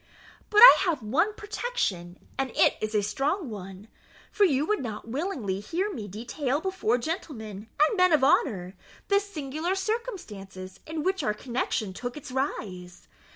But I have one protection, and it is a strong one; for you would not willingly hear me detail before gentlemen, and men of honour, the singular circumstances in which our connexion took its rise.